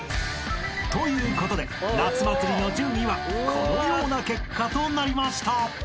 ［ということで『夏祭り』の順位はこのような結果となりました］